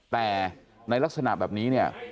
แต่ในลักษณะแบบนี้เนี่ย